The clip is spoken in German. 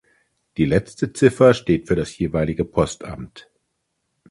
Die letzte Ziffer steht für das jeweilige Postamt.